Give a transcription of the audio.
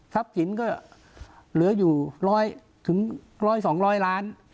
ฟับสินก็เหลืออยู่ร้อยถึงร้อยสองร้อยล้าน